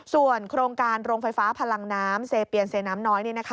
ส่วนโครงการโรงไฟฟ้าพลังน้ำเซเปียนเซน้ำน้อย